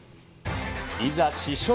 いざ試食。